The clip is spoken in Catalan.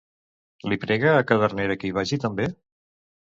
Li prega a Cadernera que hi vagi també?